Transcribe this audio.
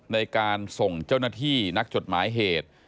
ในการส่งเจ้าหน้าที่นักจดหมายเหตุ